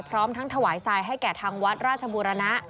พร้อมทั้งถวายทรายให้แก่ทางวัดราชบูรณะ